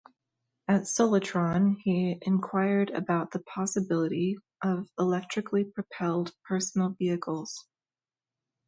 At Solatron he inquired about the possibility of electrically propelled personal vehicles.